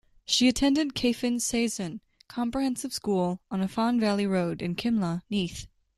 She attended Cefn Saeson Comprehensive School on Afan Valley Road in Cimla, Neath.